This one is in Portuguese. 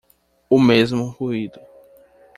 O mesmo ruído